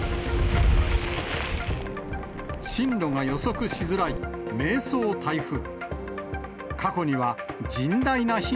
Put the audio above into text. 進路が予測しづらい迷走台風。